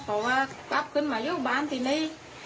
เพราะว่ากลับขึ้นมาอยู่บ้านทีนี้